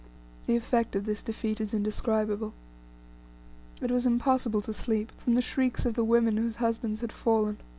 The effect of this defeat is indescribable. It was impossible to sleep, from the shrieks of the women whose husbands had fallen.